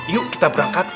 yuk kita berangkat